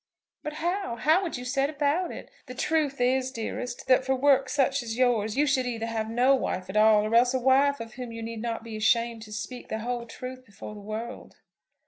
"But how, how would you set about it? The truth is, dearest, that for work such as yours you should either have no wife at all, or else a wife of whom you need not be ashamed to speak the whole truth before the world."